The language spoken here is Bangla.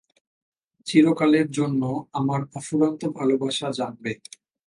চিরকালের জন্য আমার অফুরন্ত ভালবাসা জানবে।